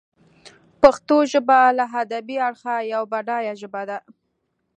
پښتو ژبه له ادبي اړخه یوه بډایه ژبه ده.